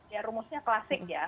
ya rumusnya klasik ya